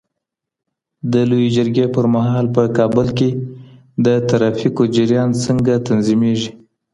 د لويي جرګې پر مهال په کابل کي د ترافیکو جریان څنګه تنظیمېږي؟